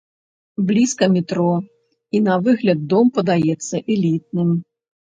Блізка метро, і на выгляд дом падаецца элітным.